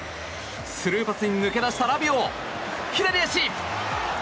スルーパスに抜け出したラビオ左足！